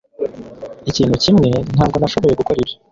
Ikintu kimwe, ntabwo nashoboye gukora ibyo.